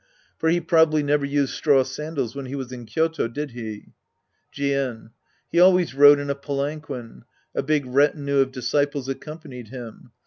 For he probably never used straw sandals wlien he was in Kyoto, did he ? Jien. He always rode in a palanquin. A big retinue of disciples accompanied him.